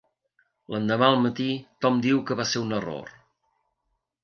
L'endemà al matí, Tom diu que va ser un error.